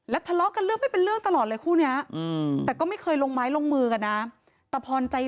แต่ทีนี้เล่นก็ไม่รู้ความความความไม่รู้ว่าจับถือเลย